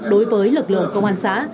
đối với lực lượng công an xã